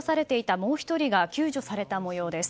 もう１人が救助された模様です。